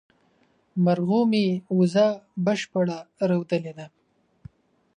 مرغومي، وزه بشپړه رودلې ده